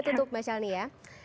tutup mbak shalini ya